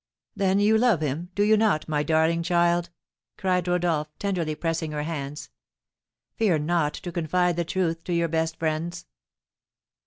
"Then you love him, do you not, my darling child?" cried Rodolph, tenderly pressing her hands. "Fear not to confide the truth to your best friends."